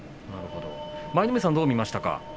舞の海さんは、どう見ましたか。